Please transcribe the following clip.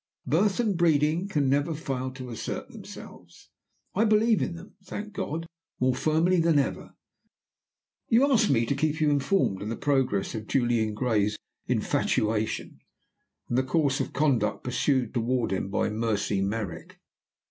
Birth and breeding can never fail to assert themselves: I believe in them, thank God, more firmly than ever. "You ask me to keep you informed of the progress of Julian Gray's infatuation, and of the course of conduct pursued toward him by Mercy Merrick.